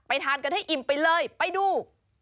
ทานกันให้อิ่มไปเลยไปดู